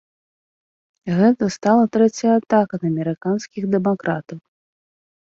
Гэта стала трэцяя атака на амерыканскіх дэмакратаў.